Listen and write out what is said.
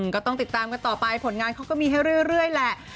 ก็ต้องติดตามกันต่อไปผลงานเขาก็มีให้เรื่อยแหละ